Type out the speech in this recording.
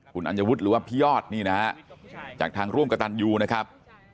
คุณอัญวุฒิหรือว่าพี่ยอดนี่นะฮะจากทางร่วมกระตันยูนะครับ